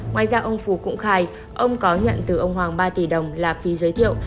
ngoài ra ông phú cũng khai ông có nhận từ ông hoàng ba tỷ đồng là phi giới thiệu